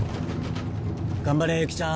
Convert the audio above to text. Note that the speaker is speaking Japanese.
頑張れゆきちゃん。